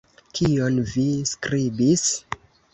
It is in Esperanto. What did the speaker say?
Kion vi skribis?